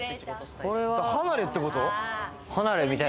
離れってこと？